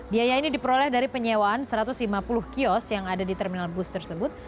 biaya ini diperoleh dari penyewaan satu ratus lima puluh kios yang ada di terminal bus tersebut